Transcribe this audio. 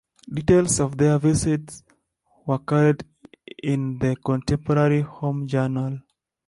Details of their visit were carried in the contemporary Home Journal.